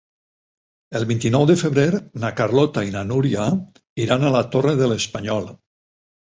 El vint-i-nou de febrer na Carlota i na Núria iran a la Torre de l'Espanyol.